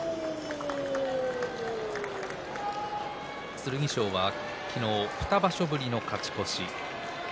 剣翔は昨日２場所ぶりの勝ち越し。